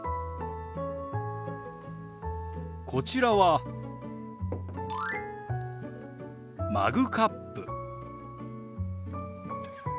こちらはマグカップ。